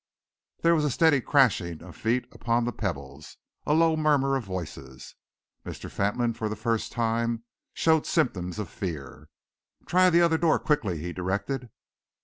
There was the steady crashing of feet upon the pebbles, a low murmur of voices. Mr. Fentolin for the first time showed symptoms of fear. "Try the other door quickly," he directed.